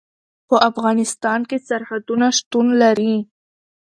په افغانستان کې سرحدونه شتون لري.